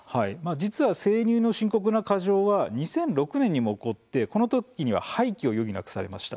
実は、生乳の深刻な過剰は２００６年にも起こってこの時には廃棄を余儀なくされました。